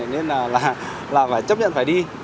nên là phải chấp nhận phải đi